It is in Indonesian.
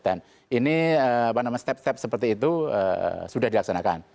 dan ini apa namanya step step seperti itu sudah dilaksanakan